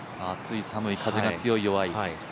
暑い寒い、風が強い弱い。